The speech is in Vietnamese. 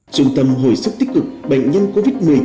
trung tâm hồi sức tích cực bệnh nhân covid một mươi chín